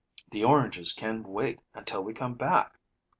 The oranges can wait until we come back."